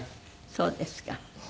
そうですか。